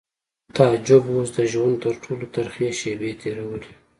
تعجب اوس د ژوند تر ټولو ترخې شېبې تېرولې